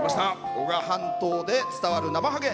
男鹿半島で伝わるナマハゲ。